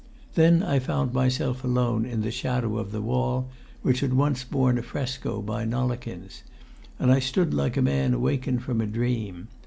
Then I found myself alone in the shadow of the wall which had once borne a fresco by Nollikins, and I stood like a man awakened from a dream.